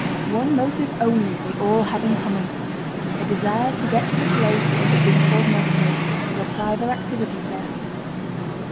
One motive only they all had in common: a desire to get to the place that had been called Moscow, to apply their activities there.